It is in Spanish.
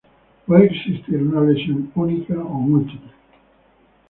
Puede existir una lesión única o múltiple.